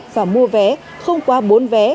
và mua vé không qua bốn vé